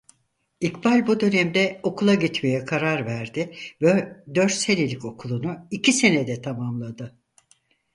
İkbal bu dönemde okula gitmeye karar verdi ve dört senelik okulunu iki senede tamamladı.